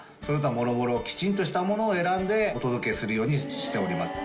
もろもろきちんとしたものを選んでお届けするようにしております。